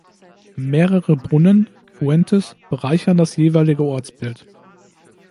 Mehrere Brunnen "(fuentes)" bereichern das jeweilige Ortsbild.